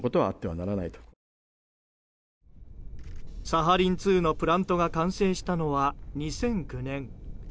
サハリン２のプラントが完成したのは２００９年。